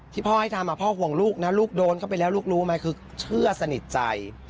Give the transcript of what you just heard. พ่อให้ทำพ่อห่วงลูกนะลูกโดนเข้าไปแล้วลูกรู้ไหมคือเชื่อสนิทใจ